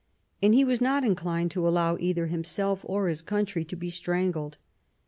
And he was not inclined to allow either himself or his country to be strangled.